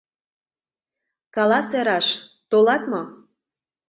— Каласе раш: толат мо?